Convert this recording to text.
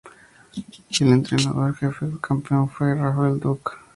El entrenador en jefe campeón fue Rafael Duk.